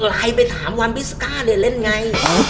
เออก็ไลน์ไปถามวันมิสักาเนี่ยเล่นไง